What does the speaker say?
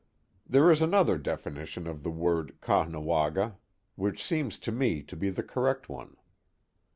There is another definition of the word Caughnawaga, which seems to me to be the correct one.